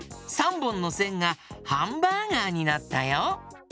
３ぼんのせんがハンバーガーになったよ。